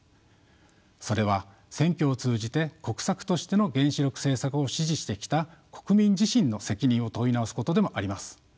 それは選挙を通じて国策としての原子力政策を支持してきた国民自身の責任を問い直すことでもあります。